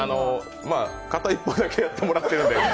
片一方だけやってもらってるんで。